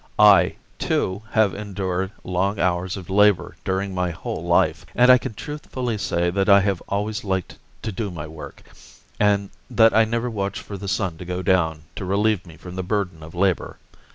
I, too, have endured long hours of labor during my whole life, and I can truthfully say that I have always liked to do my work and that I never watched for the sun to go down to relieve me from the burden of labor.